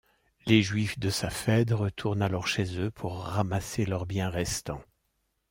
Les Juifs de Safed retournent alors chez eux pour ramasser leurs biens restant.